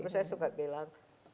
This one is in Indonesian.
terus saya suka bilang